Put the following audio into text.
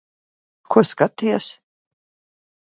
Ko skaties?